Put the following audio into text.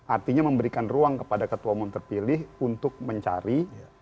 artinya memberikan ruang kepada ketua memperpilih untuk mencari